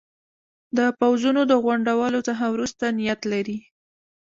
د پوځونو د غونډولو څخه وروسته نیت لري.